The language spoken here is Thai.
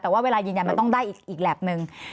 แต่เวลายินยันต้องได้อีกแลปหนึ่ง